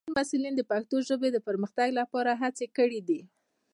د انسټیټوت محصلینو د پښتو ژبې د پرمختګ لپاره هڅې کړې دي.